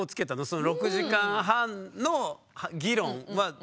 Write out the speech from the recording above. その６時間半の議論は。